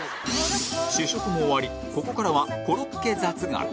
試食も終わりここからはコロッケ雑学